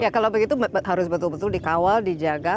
ya kalau begitu harus betul betul dikawal dijaga